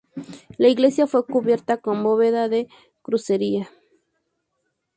La iglesia fue cubierta con bóveda de crucería.